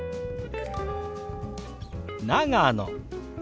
「長野」。